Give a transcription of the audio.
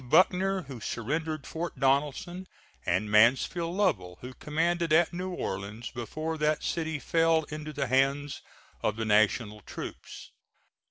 Buckner, who surrendered Fort Donelson; and Mansfield Lovell, who commanded at New Orleans before that city fell into the hands of the National troops.